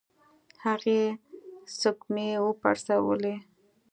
هغې سږمې وپړسولې.